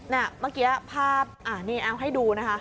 นี่เมื่อกี้ภาพเอาให้ดูนะคะ